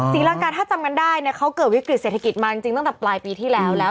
รังกาถ้าจำกันได้เนี่ยเขาเกิดวิกฤตเศรษฐกิจมาจริงตั้งแต่ปลายปีที่แล้วแล้ว